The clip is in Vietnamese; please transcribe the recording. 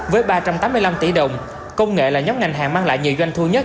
với ba trăm tám mươi năm tỷ đồng công nghệ là nhóm ngành hàng mang lại nhiều doanh thu nhất